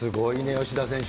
吉田選手